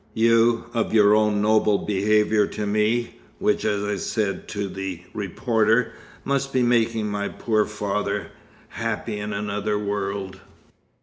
"You, of your own noble behaviour to me, which, as I said to the reporter, must be making my poor father happy in another world.